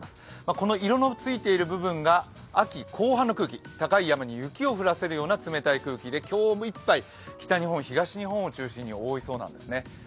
この色のついている部分が秋後半の空気高い山に雪を降らせるような冷たい空気で今日いっぱい北日本、東日本を注意心に覆いそうなんですね。